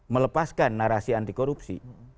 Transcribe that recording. melepaskan narasi anti korupsi